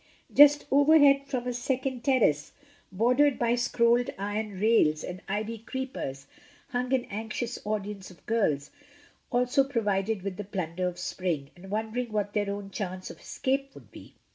Just overhead from a second terrace, bordered by scrolled iron rails and ivy creepers, hung an anxious audience of girls, also provided with the plunder of spring, and wondering what their own chance of escape would be.